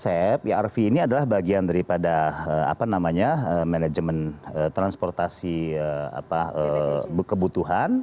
konsep irv ini adalah bagian daripada manajemen transportasi kebutuhan